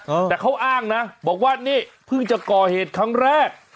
เออแต่เขาอ้างนะบอกว่านี่เพิ่งจะก่อเหตุครั้งแรก